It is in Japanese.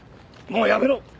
もうやめろ。